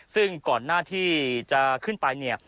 ซึ่งก่อนหน้าที่จะขึ้นไปเนี่ย